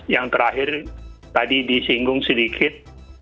yang terakhir tadi disinggung sedikit